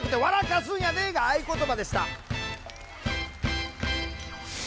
かすんやで」が合言葉でした。